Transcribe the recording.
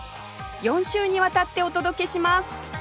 ４週にわたってお届けします